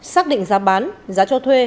xác định giá bán giá cho thuê